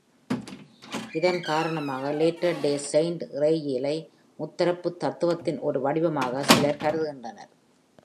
இதன் காரணமாக, லேட்டர்-டே செயிண்ட் இறையியலை முத்தரப்பு தத்துவத்தின் ஒரு வடிவமாக சிலர் கருதுகின்றனர்.